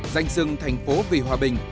dành dừng thành phố vì hòa bình